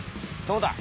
どうだ！？